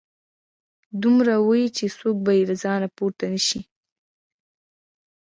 دومره وي چې څوک به يې له ځايه پورته نشي